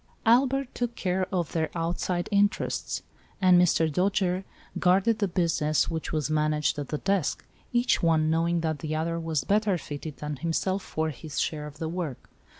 Albert took care of their outside interests, and Mr. Dojere guarded the business which was managed at the desk, each one knowing that the other was better fitted than himself for his share of the work.